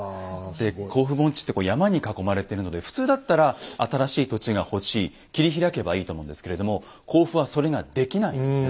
で甲府盆地って山に囲まれてるので普通だったら新しい土地が欲しい切り開けばいいと思うんですけれども甲府はそれができないんですね。